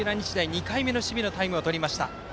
２回目の守備のタイムをとりました。